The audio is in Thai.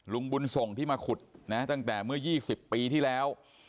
ลุงบุญส่งที่มาขุดนะตั้งแต่เมื่อ๒๐ปีที่แล้ว